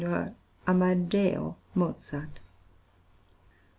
Amadeo Mozart.